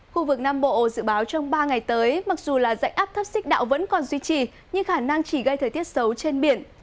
khu vực nam bộ dự báo trong ba ngày tới mặc dù là dạnh áp thấp xích đạo vẫn còn duy trì nhưng khả năng chỉ gây thời tiết xấu trên biển